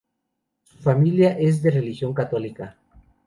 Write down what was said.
Su familia es de religión católica.